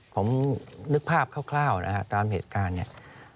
ผมนึกภาพคร่าวนะฮะตามเหตุการณ์เนี่ย